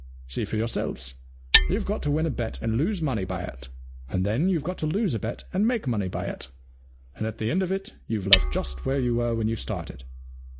See for yourselves. YouVe got to win a bet and lose money by it, and then youVe got to lose a bet and make money by it, and at the end of it youVe left just where you were when you started.